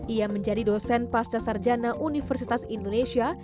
ia menjadi dosen pasca sarjana universitas indonesia